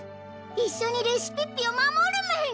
一緒にレシピッピを守るメン！